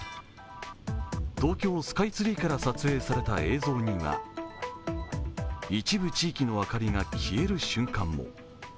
東京スカイツリーから撮影された映像には、一部地域の明かりが消える瞬間も。